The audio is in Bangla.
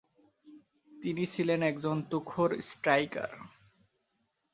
তিনি ছিলেন একজন তুখোড় স্ট্রাইকার।